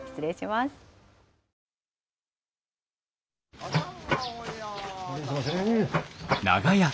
はいすいません。